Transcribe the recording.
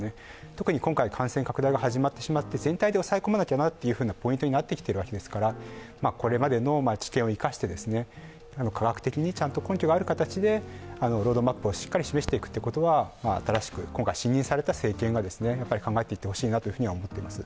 特に今回、感染拡大が広がってしまって、全体で抑え込まなきゃというポイントになってきているわけですから、これまでの知見を生かして科学的にちゃんと根拠がある形でロードマップをしっかり示していくことが、今回新しく新任された政権が考えていってほしいなとは思っています。